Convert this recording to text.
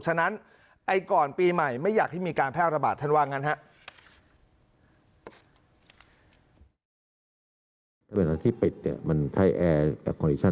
ฉะนั้นไอ้ก่อนปีใหม่ไม่อยากให้มีการแพร่อุตบาททันวังนะฮะ